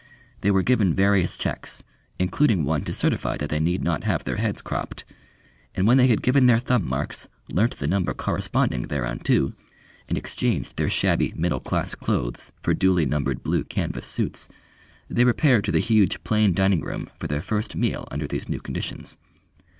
They were given various checks, including one to certify that they need not have their heads cropped; and when they had given their thumb marks, learnt the number corresponding thereunto, and exchanged their shabby middle class clothes for duly numbered blue canvas suits, they repaired to the huge plain dining room for their first meal under these new conditions.